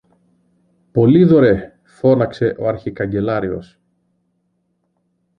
Πολύδωρε! φώναξε ο αρχικαγκελάριος.